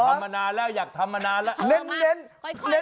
อยากทำมานานแล้วอยากทำมานานแล้ว